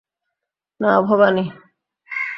না, ভবানী।